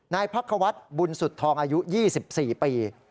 นายพักควัฒน์บุญสุดทองอายุ๒๔ปี